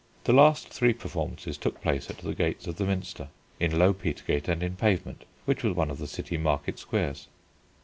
The last three performances took place at the gates of the Minster; in Low Petergate, and in Pavement, which was one of the city market squares.